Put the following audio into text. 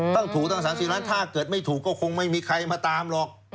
ต้องถูกตั้ง๓๐ล้านถ้าเกิดไม่ถูกก็คงไม่มีใครมาตามหรอก